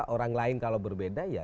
orang lain kalau berbeda